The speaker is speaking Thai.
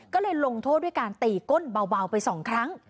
ก็เลยลงโทษด้วยการตีก้นเบาไป๒ครั้ง